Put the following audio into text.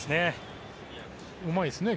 うまいですね。